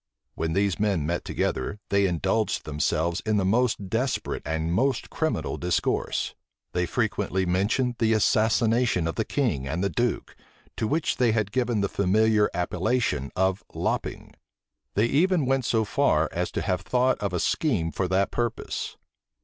When these men met together, they indulged themselves in the most desperate and most criminal discourse; they frequently mentioned the assassination of the king and the duke, to which they had given the familiar appellation of lopping: they even went so far as to have thought of a scheme for that purpose.